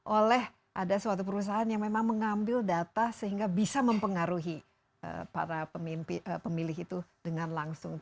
oleh ada suatu perusahaan yang memang mengambil data sehingga bisa mempengaruhi para pemilih itu dengan langsung